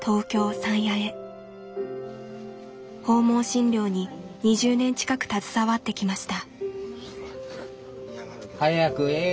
訪問診療に２０年近く携わってきました。